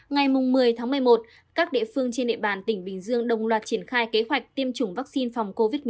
ngày một mươi tháng một mươi một các địa phương trên địa bàn tỉnh bình dương đồng loạt triển khai kế hoạch tiêm chủng vaccine phòng covid một mươi chín